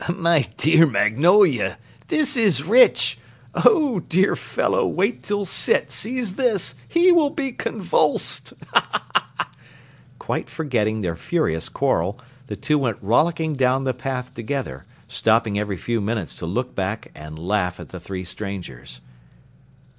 "My dear Magnolia, this is rich! Oh, dear fellow, wait till Sit sees this; he will be convulsed!" Quite forgetting their furious quarrel, the two went rollicking down the path together, stopping every few minutes to look back and laugh at the three strangers.